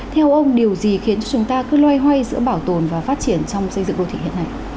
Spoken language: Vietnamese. theo ông điều gì khiến chúng ta cứ loay hoay giữa bảo tồn và phát triển trong xây dựng đô thị hiện nay